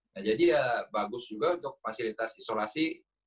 nah jadi ya bagus juga untuk fasilitas isolasi